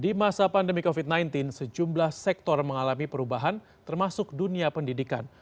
di masa pandemi covid sembilan belas sejumlah sektor mengalami perubahan termasuk dunia pendidikan